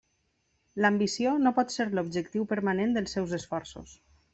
L'ambició no pot ser l'objectiu permanent dels seus esforços.